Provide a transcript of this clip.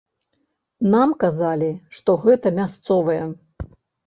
Нам казалі, што гэта мясцовыя.